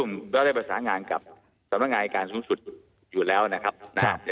ผมก็ได้ประสานงานกับสำนักงานอายการสูงสุดอยู่แล้วนะครับนะฮะ